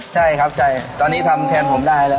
ใช่ครับใช่ตอนนี้ทำแทนผมได้แล้ว